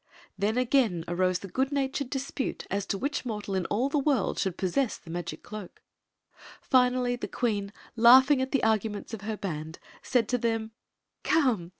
Then again arose the good natured dispute as to which mortal in all the world should possess the magic cloak. Finally the queen, laughing at the arguments of her band, said to them: " Come